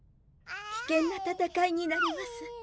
危険な戦いになります